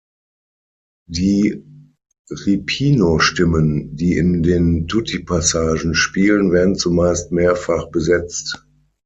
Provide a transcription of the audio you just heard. Die Ripieno-Stimmen, die in den Tutti-Passagen spielen, werden zumeist mehrfach besetzt.